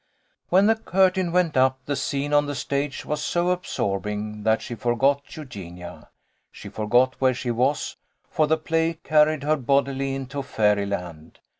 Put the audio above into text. When the curtain went up the scene on the stage was so absorbing that she forgot Eugenia. She for got where she was, for the play carried her bodily into fairy land.